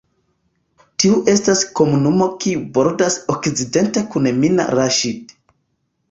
Tiu estas komunumo kiu bordas okcidente kun Mina Raŝid.